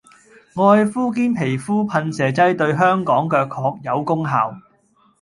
愛膚堅皮膚噴射劑對香港腳確有功效